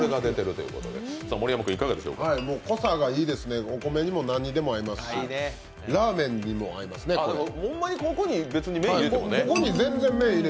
濃さがいいですね、お米にも何にでも合いますしラーメンにも合いますね、これ。